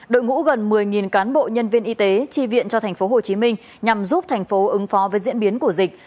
đội ngũ gần một mươi cán bộ nhân viên y tế chi viện cho thành phố hồ chí minh nhằm giúp thành phố ứng phó với diễn biến của dịch